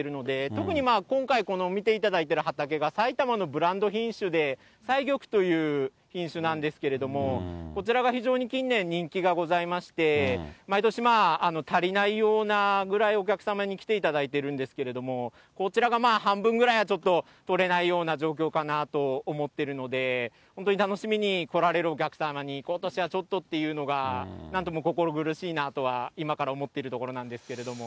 特に今回、この見ていただいてる畑が、埼玉のブランド品種で、彩玉という品種なんですけれども、こちらが非常に近年、人気がございまして、毎年、足りないようなぐらいお客様に来ていただいてるんですけれども、こちらがまあ、半分ぐらいが、ちょっと取れないような状況かなぁと思ってるので、本当に楽しみに来られるお客様に、ことしはちょっとっていうのが、なんとも心苦しいなとは、今から思ってるところなんですけれども。